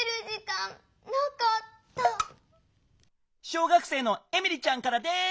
小学生のエミリちゃんからです！